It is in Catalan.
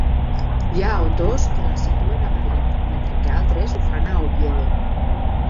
Hi ha autors que la situen a Madrid, mentre que altres ho fan a Oviedo.